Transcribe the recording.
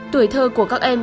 tuổi thơ của các em